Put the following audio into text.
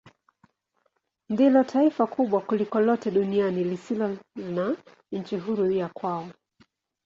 Ndilo taifa kubwa kuliko lote duniani lisilo na nchi huru ya kwao.